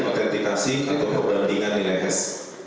ya identifikasi atau perbandingan nilai hes